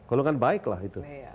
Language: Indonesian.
golongan baik lah itu